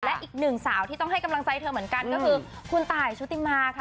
และอีกหนึ่งสาวที่ต้องให้กำลังใจเธอเหมือนกันก็คือคุณตายชุติมาค่ะ